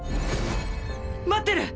待ってる！